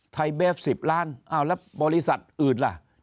ไทยเบฟ๑๐ล้านอ้าวแล้วบริษัทอื่นล่ะ